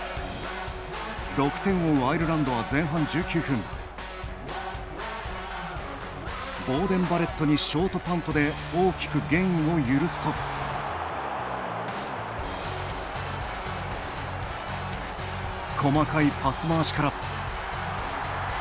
６点を追うアイルランドは前半１９分ボーデン・バレットにショートパントで大きくゲインを許すと細かいパス回しから。